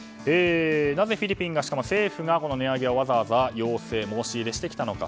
なぜフィリピン政府が値上げを要請申し入れしてきたのか。